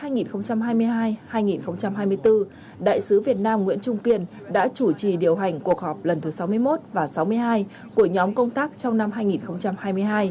nhiệm kỳ hai nghìn hai mươi hai hai nghìn hai mươi bốn đại sứ việt nam nguyễn trung kiên đã chủ trì điều hành cuộc họp lần thứ sáu mươi một và sáu mươi hai của nhóm công tác trong năm hai nghìn hai mươi hai